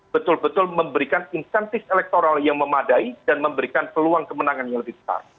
betul betul memberikan insentif elektoral yang memadai dan memberikan peluang kemenangan yang lebih besar